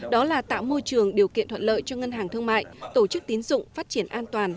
đó là tạo môi trường điều kiện thuận lợi cho ngân hàng thương mại tổ chức tín dụng phát triển an toàn